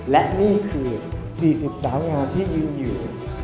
และนี่คือ๔๐สาวงามที่ยืนอยู่